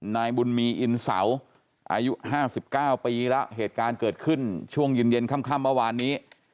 นายบุญมีอินเสาอายุ๕๙ปีแล้วเหตุการณ์เกิดขึ้นช่วงเย็นค่ำเมื่อวานนี้